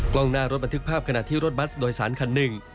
กล้องหน้ารถบันทึกภาพขณะที่รถบัสโดยสารคันหนึ่ง